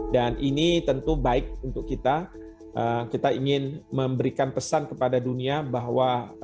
dan ini tentu baik untuk kita kita ingin memberikan pesan kepada dunia bahwa